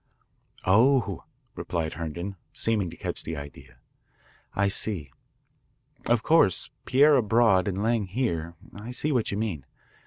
"Oh," replied Herndon, seeming to catch the idea. "I see. Of course Pierre abroad and Lang here. I see what you mean.